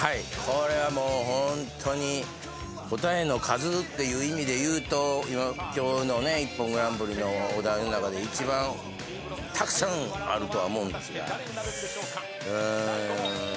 これはもうホントに答えの数っていう意味でいうと今日の『ＩＰＰＯＮグランプリ』のお題の中で一番たくさんあるとは思うんですがうーん。